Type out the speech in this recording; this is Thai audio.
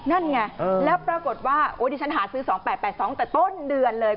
นั่นไงแล้วปรากฏว่าดิฉันหาซื้อ๒๘๘๒แต่ต้นเดือนเลย